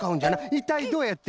いったいどうやって？